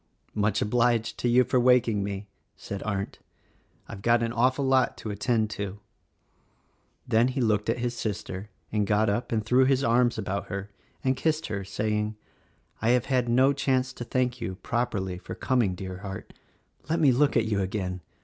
"Much obliged to you for waking me," said Arndt. "I've got an awful lot to attend to." Then he looked at his sister and got up and threw his arms about her and kissed her, saying, "I have had no chance to thank you, properly, for coming, dear heart. Let me look at you again!